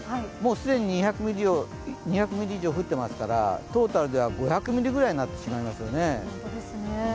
既に２００ミリ以上降ってますからトータルでは５００ミリぐらいになってしまいますよね。